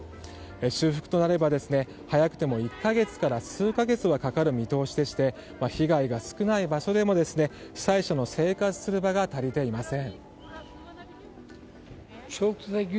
修復となれば早くても１か月から数か月はかかる見通しでして被害が少ない場所でも被災者の生活する場が足りていません。